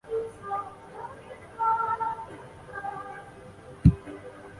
她必须清晨四点起来